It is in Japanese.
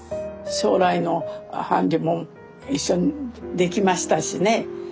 将来の伴侶も一緒にできましたしね。